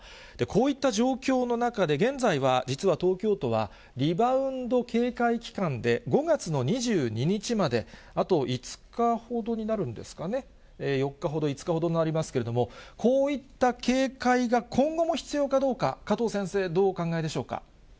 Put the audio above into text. こういった状況の中で、現在は、実は東京都は、リバウンド警戒期間で、５月の２２日まで、あと５日ほどになるんですかね、４日ほど、５日ほどになりますけれども、こういった警戒が今後も必要かどうか、加藤先生、どうお考えでしょうか。